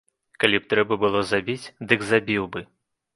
Калі б трэба было забіць, дык забіў бы.